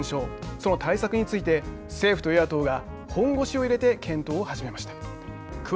その対策について政府と与野党が本腰を入れて検討を始めました。